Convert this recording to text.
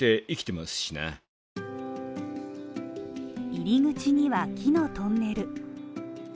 入り口には木のトンネル。